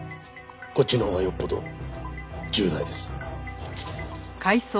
こっちのほうがよっぽど重大です。